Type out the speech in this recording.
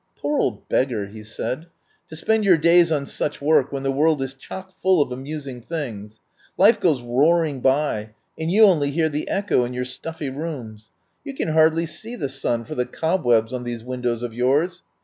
"Poor old beggar!" he said. "To spend your days on such work when the world is chockful of amusing things. Life goes roar ing by and you only hear the echo in your stuffy rooms. You can hardly see the sun for the cobwebs on these windows of yours.